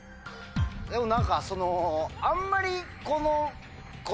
でも何かあんまり。